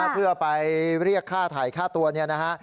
เพื่อไปเรียกค่าถ่ายค่าตัวเนี่ยนะฮะ